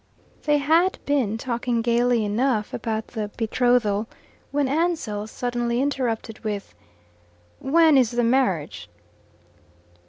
They had been talking gaily enough about the betrothal when Ansell suddenly interrupted with, "When is the marriage?"